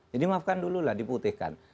jadi maafkan dulu lah diputihkan